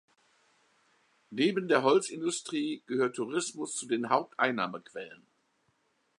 Neben der Holzindustrie gehörte Tourismus zu den Haupteinnahmequellen.